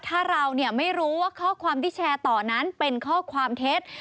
ถ้าเราไม่รู้ว่าข้อความที่แชร์ต่อนั้นเป็นข้อความเท็จ